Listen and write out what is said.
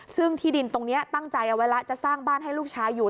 ซึ่งที่ดินตรงนี้ตั้งใจเอาไว้แล้วจะสร้างบ้านให้ลูกชายอยู่